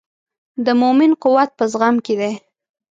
د مؤمن قوت په زغم کې دی.